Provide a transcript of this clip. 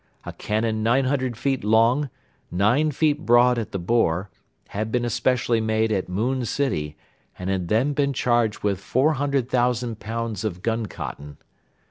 A cannon 900 feet long, nine feet broad at the bore, had been especially made at Moon City and had then been charged with 400,000 pounds of gun cotton.